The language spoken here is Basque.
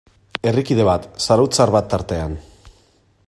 Herrikide bat, zarauztar bat tartean.